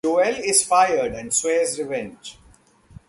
Joel is fired and swears revenge.